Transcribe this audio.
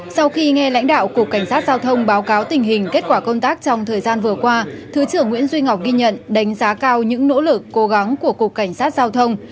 sau khi nghe lãnh đạo cục cảnh sát giao thông báo cáo tình hình kết quả công tác trong thời gian vừa qua thứ trưởng nguyễn duy ngọc ghi nhận đánh giá cao những nỗ lực cố gắng của cục cảnh sát giao thông